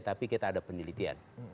tapi kita ada penelitian